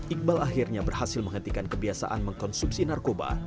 iqbal akhirnya berhasil menghentikan kebiasaan mengkonsumsi narkoba